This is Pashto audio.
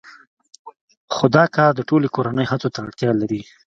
خو دا کار د ټولې کورنۍ هڅو ته اړتیا لري